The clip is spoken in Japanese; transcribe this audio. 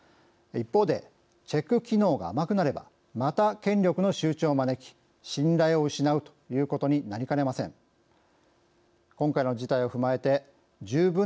一方で、チェック機能が甘くなればまた権力の集中を招き信頼を失うということになりかねません。